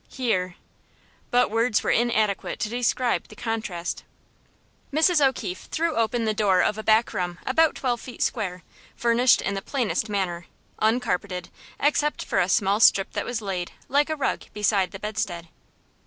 Here But words were inadequate to describe the contrast. Mrs. O'Keefe threw open the door of a back room about twelve feet square, furnished in the plainest manner, uncarpeted, except for a strip that was laid, like a rug, beside the bedstead.